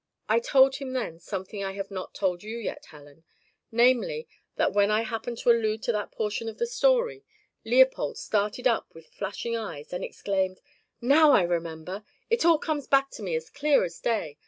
I told him then something I have not told you yet, Helen, namely, that when I happened to allude to that portion of the story, Leopold started up with flashing eyes, and exclaimed, 'Now I remember! It all comes back to me as clear as day.